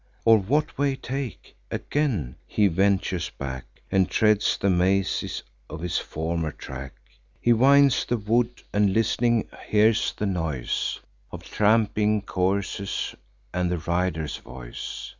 Or what way take?" Again he ventures back, And treads the mazes of his former track. He winds the wood, and, list'ning, hears the noise Of tramping coursers, and the riders' voice.